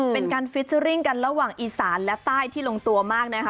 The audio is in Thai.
เป็นการฟิเจอร์ริ่งกันระหว่างอีสานและใต้ที่ลงตัวมากนะคะ